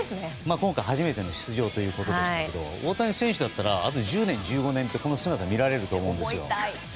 今回、初めての出場ということでしたが大谷選手だったらあと１０年、１５年ってこの姿を見られると思うんですよ。